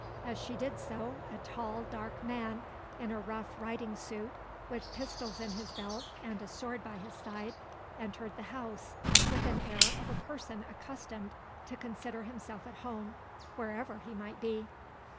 As she did so, a tall dark man, in a rough riding suit, with pistols in his belt and a sword by his side, entered the house with the air of a person accustomed to consider himself at home wherever he might be.